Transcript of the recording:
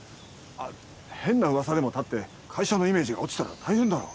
あっ変な噂でも立って会社のイメージが落ちたら大変だろ？